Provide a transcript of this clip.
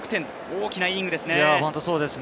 大きなイニングですね。